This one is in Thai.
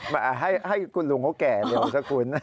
ไม่ให้คุณลุงเขาแก่เดี๋ยวก็คุณ